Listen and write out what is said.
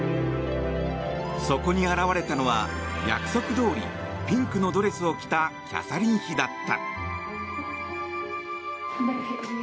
そこに現れたのは約束どおりピンクのドレスを着たキャサリン妃だった。